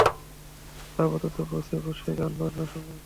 আর আপাতত বসে বসে গান বাজনা শুনুন।